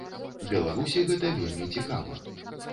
Беларусі гэта вельмі цікава.